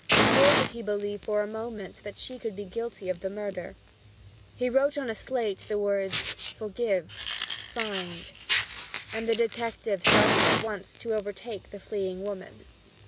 Nor did he believe for a moment that she could be guilty of the murder. He wrote on a slate the words, "Forgive find," and the detective started at once to overtake the fleeing woman.